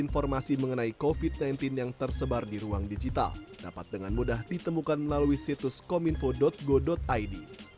informasi mengenai covid sembilan belas yang tersebar di ruang digital dapat dengan mudah ditemukan melalui situs kominfo go id